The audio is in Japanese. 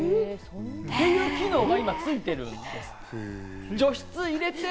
そういう機能が今ついてるんです。